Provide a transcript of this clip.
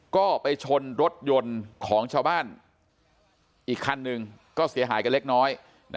ก็ไปชนรถยนต์ของชาวบ้านอีกคันหนึ่งก็เสียหายกันเล็กน้อย